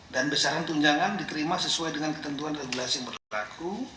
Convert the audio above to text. dan besaran tunjangan diterima sesuai dengan ketentuan regulasi yang berlaku